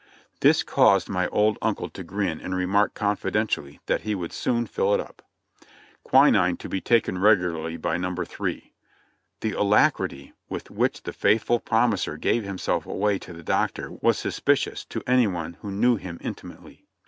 This caused my old uncle to grin and remark confidentially that he would soon fill it up. "Quinine to be taken regularly by No. 3." The alacrity with which the faithful promiser gave himself away to the Doctor was suspicious to any one who knew him intimately.